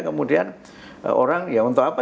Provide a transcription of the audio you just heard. kemudian orang ya untuk apa